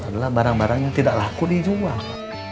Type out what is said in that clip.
adalah barang barang yang tidak laku dijual